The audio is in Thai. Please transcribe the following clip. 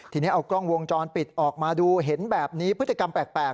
ทีนี้เอากล้องวงจรปิดออกมาดูเห็นแบบนี้พฤติกรรมแปลก